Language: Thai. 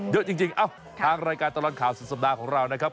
เยอะจริงเอ้าทางรายการตลอดข่าวสุดสัปดาห์ของเรานะครับ